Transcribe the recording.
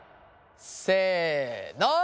せの！